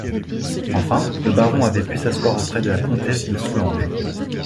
Enfin, le baron avait pu s’asseoir auprès de la comtesse de Soulanges.